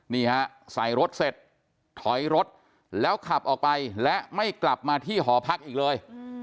นี่ฮะใส่รถเสร็จถอยรถแล้วขับออกไปและไม่กลับมาที่หอพักอีกเลย